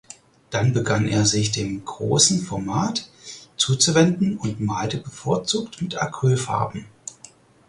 Dann begann er sich dem großen Format zuzuwenden und malte bevorzugt mit Acrylfarben.